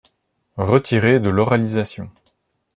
Retirée de l’oralisation.